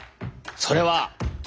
それは。